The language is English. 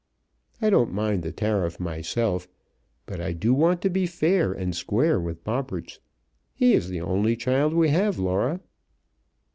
I don't mind the tariff, myself, but I do want to be fair and square with Bobberts. He's the only child we have, Laura."